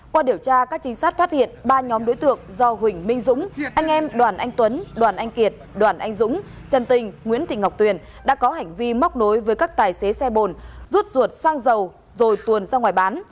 qua điều tra các trinh sát phát hiện ba nhóm đối tượng do huỳnh minh dũng anh em đoàn anh tuấn đoàn anh kiệt đoàn anh dũng trần tình nguyễn thị ngọc tuyền đã có hành vi móc nối với các tài xế xe bồn rút ruột sang dầu rồi tuồn ra ngoài bán